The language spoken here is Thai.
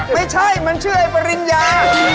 ไม่ใช่มันชื่อไอ้ปริญญา